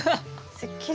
すっきり。